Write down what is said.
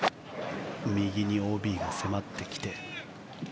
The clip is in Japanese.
右にＯＢが迫ってきて。